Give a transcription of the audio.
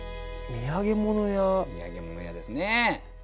「土産物屋」ですね。